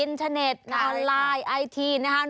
เทอร์เน็ตออนไลน์ไอทีนะครับ